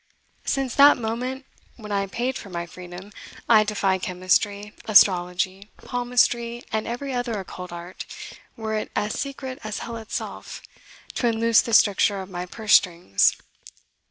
Since that moment, when I paid for my freedom, I defy chemistry, astrology, palmistry, and every other occult art, were it as secret as hell itself, to unloose the stricture of my purse strings.